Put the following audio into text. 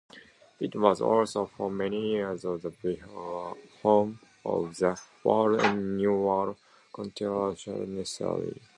It was also for many years the home of the world-renowned horticultural nursery.